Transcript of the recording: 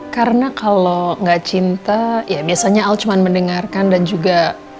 karena kalau gak cinta ya biasanya al cuma mendengarkan dan juga